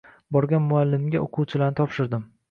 Borgan muallimga o‘quvchilarni topshirdim.